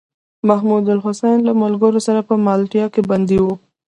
محمودالحسن له ملګرو سره په مالټا کې بندي و.